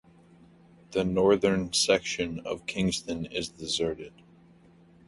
The northern section of Kingston is deserted.